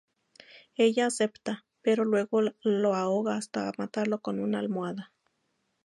Ella acepta, pero luego lo ahoga hasta matarlo con una almohada.